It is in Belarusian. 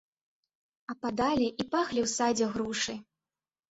Ападалi i пахлi ў садзе грушы.